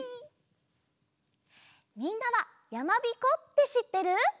みんなはやまびこってしってる？